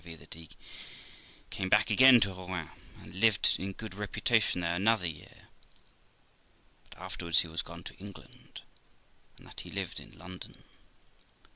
that he came back again to Rouen, and lived in good reputation there another year; and afterwards he was gone to England, and that he lived in London.